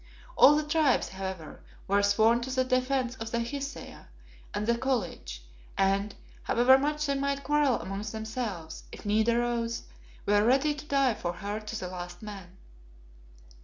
All the Tribes, however, were sworn to the defence of the Hesea and the College, and, however much they might quarrel amongst themselves, if need arose, were ready to die for her to the last man.